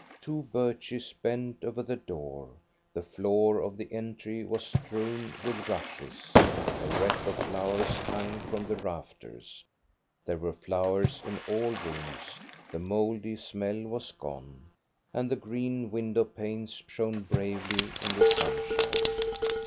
Two birches bent over the door, the floor of the entry was strewn with rushes, a wreath of flowers hung from the rafters, there were flowers in all the rooms ; the mouldy smell was gone, and the green window panes shone bravely in the sunshine.